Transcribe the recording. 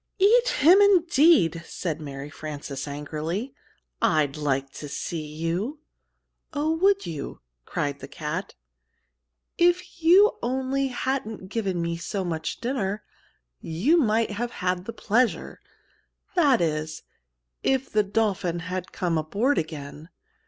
"Eat him, indeed!" said Mary Frances, angrily. "I'd like to see you!" "Oh, would you?" cried the cat. "If you only hadn't given me so much dinner, you might have had the pleasure that is, if the dolphin had come aboard again.